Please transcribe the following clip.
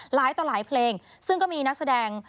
หลายต่อหลายเพลงซึ่งก็มีนักแสดง